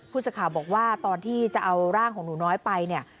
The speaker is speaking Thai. ผู้ชาวบอกว่าตอนที่จะเอาร่างของหนูน้อยไป